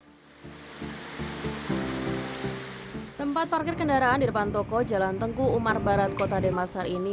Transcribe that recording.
hai tempat parkir kendaraan di depan toko jalan tengku umar barat kota demasar ini